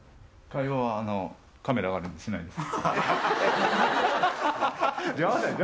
会話は、カメラがあるんで、しないです。